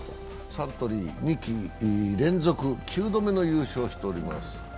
サントリー２季連続９度目の優勝をしております。